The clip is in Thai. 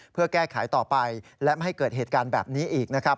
เพื่อแก้ไขต่อไปและไม่ให้เกิดเหตุการณ์แบบนี้อีกนะครับ